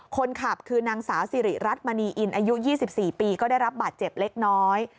คนขับคือนางสาวสิริรัตนมณีอินอายุ๒๔ปีก็ได้รับบาดเจ็บเล็กน้อย